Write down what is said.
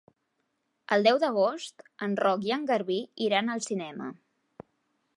El deu d'agost en Roc i en Garbí iran al cinema.